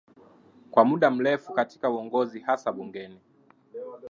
kwa muda mrefu katika uongozi hasa bungeni